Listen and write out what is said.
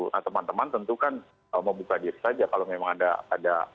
nah teman teman tentu kan membuka diri saja kalau memang ada